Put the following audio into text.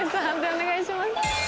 判定お願いします。